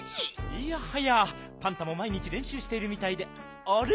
いやはやパンタも毎日れんしゅうしているみたいであれ？